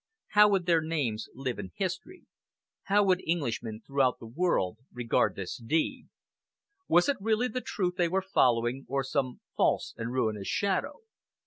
How would their names live in history? How would Englishmen throughout the world regard this deed? Was it really the truth they were following, or some false and ruinous shadow?